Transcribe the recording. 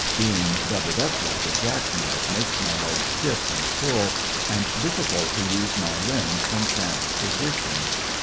Being doubled up like a jack knife makes my legs stiff and sore, and diffi cult to use m.y limbs from cramped position.